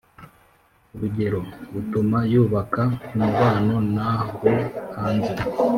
urugero butuma yubaka umubano n’abo hanze